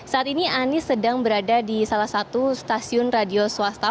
saat ini anies sedang berada di salah satu stasiun radio swasta